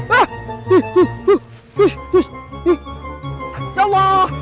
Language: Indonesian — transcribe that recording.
ya allah ya allah